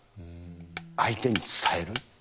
相手に伝える。